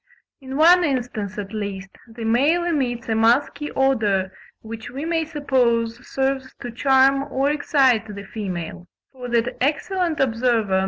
In one instance, at least, the male emits a musky odour, which we may suppose serves to charm or excite the female; for that excellent observer, Mr. Ramsay (1.